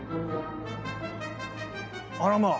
あらまあ。